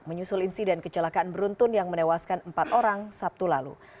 menyusul insiden kecelakaan beruntun yang menewaskan empat orang sabtu lalu